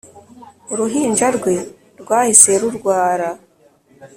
Uruhinja rwe rwahise rurwara